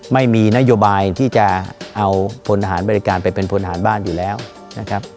ไม่มีนโยบายที่จะเอาพลทหารบริการไปเป็นพลฐานบ้านอยู่แล้วนะครับ